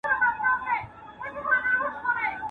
دا ربات یې دی هېر کړی له پېړیو.